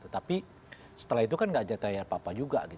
tapi setelah itu kan gak ada apa apa juga